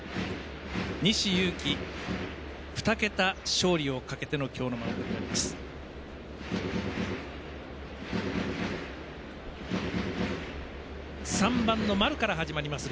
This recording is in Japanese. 西勇輝、２桁勝利をかけての今日のマウンドになります。